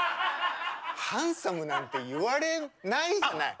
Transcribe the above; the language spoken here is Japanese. ハンサムなんて言われないじゃない。